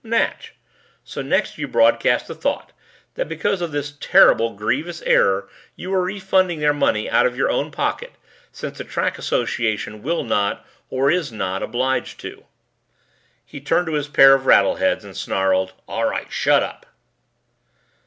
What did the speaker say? "Natch. So next you broadcast a thought that because of this terrible, grievous error you are refunding their money out of your own pocket since the Track Association will not or is not obliged to." He turned to his pair of rattleheads and snarled, "All right. Shut up!"